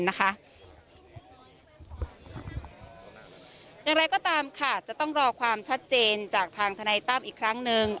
อย่างไรก็ตามค่ะจะต้องรอความชัดเจนจากทางทนายตั้มอีกครั้งหนึ่ง